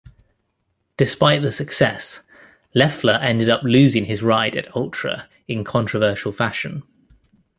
Despite the success, Leffler ended up losing his ride at Ultra in controversial fashion.